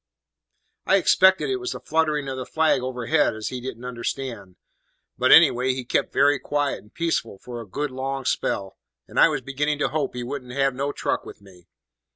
"I expect it was the flutterin' of the flag overhead as he didn't understand; but, any way, he kept very quiet and peaceable for a good long spell, and I was beginnin' to hope he wouldn't have no truck with me.